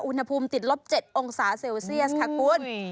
อุณหภูมิติดลบ๗องศาเซลเซียสค่ะคุณ